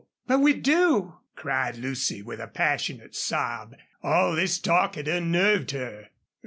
"But we do!" cried Lucy, with a passionate sob. All this talk had unnerved her.